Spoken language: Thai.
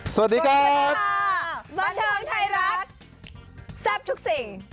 สวัสดีครับบันเทิงไทยรัฐแซ่บทุกสิ่ง